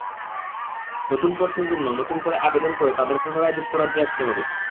নতুন কোর্সের জন্য নতুন করে আবেদন করে তাঁদের পুনরায় যুক্তরাজ্যে আসতে হবে।